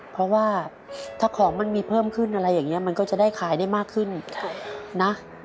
เพราะว่าถ้าของมันมีเพิ่มขึ้นอะไรอย่างนี้มันก็จะได้ขายได้มากขึ้นนะ